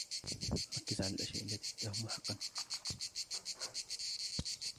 ركز على الأشياء التي تهم حقا.